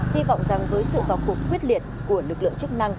hy vọng rằng với sự vào cuộc quyết liệt của lực lượng chức năng